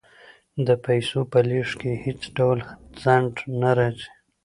د پیسو په لیږد کې هیڅ ډول ځنډ نه راځي.